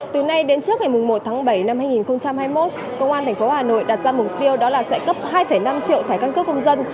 từ nay đến trước ngày một tháng bảy năm hai nghìn hai mươi một công an tp hà nội đặt ra mục tiêu đó là sẽ cấp hai năm triệu thẻ căn cước công dân